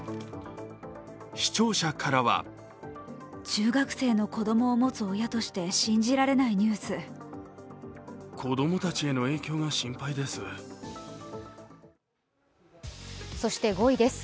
視聴者からはそして５位です。